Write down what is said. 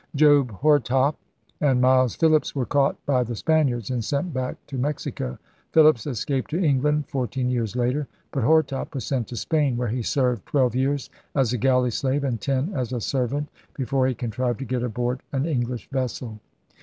Job Hortop and Miles Philips were caught by the Spaniards and sent back to Mexico. Philips escaped to England fourteen years later. But Hortop was sent to Spain, where he served twelve years as a galley slave and ten as a servant before he contrived to get aboard an English vessel.